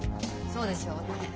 そうでしょうねえ。